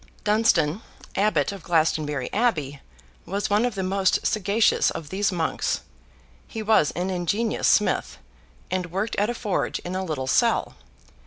Dunstan, Abbot of Glastonbury Abbey, was one of the most sagacious of these monks. He was an ingenious smith, and worked at a forge in a little cell.